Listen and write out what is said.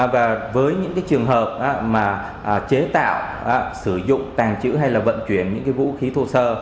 với những trường hợp chế tạo sử dụng tàn trữ hay vận chuyển những vũ khí thu sơ